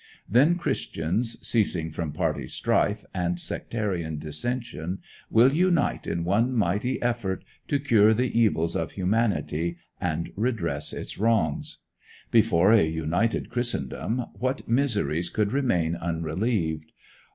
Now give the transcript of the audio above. Then Christians, ceasing from party strife and sectarian dissension, will unite in one mighty effort to cure the evils of humanity and redress its wrongs. Before a united Christendom, what miseries could remain unrelieved?